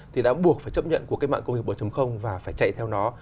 thì đã buộc phải chấp nhận của cách mạng công nghiệp bốn và phải chạy theo nó